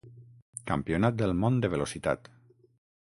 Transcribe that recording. Campionat del Món de Velocitat.